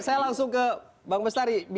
saya langsung ke bang bestari